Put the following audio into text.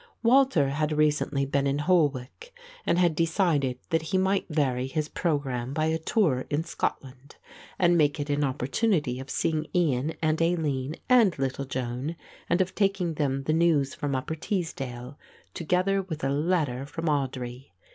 Walter had recently been in Holwick and had decided that he might vary his programme by a tour in Scotland, and make it an opportunity of seeing Ian and Aline and little Joan, and of taking them the news from Upper Teesdale, together with a letter from Audry.